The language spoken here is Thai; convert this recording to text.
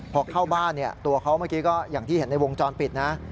พอเข้าบ้านตัวเขาเมื่อกี้ก็อย่างที่เห็นในวงจรปิดนะ